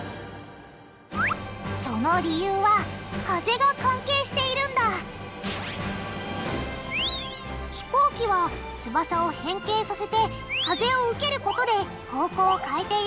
その理由は「風」が関係しているんだ飛行機は翼を変形させて風を受けることで方向を変えている。